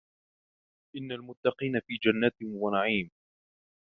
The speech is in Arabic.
إن المتقين في جنات ونعيم